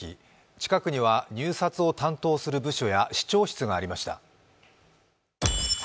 近くには入札を担当する部署や市長室がありました。